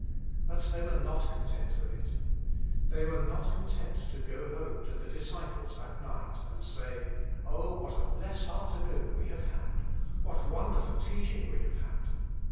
But they were not content with it. They were not content to go home to the disciples that Jemix Himself. 25 night and say, <<0h, what a blessed afternoon we have had I What wonder ful teaching we have had!"